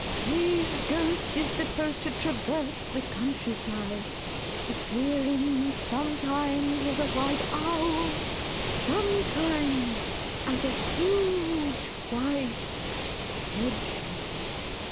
His ghost is supposed to traverse the countryside, appearing sometimes as a white owl, sometimes as a huge white hedgehog."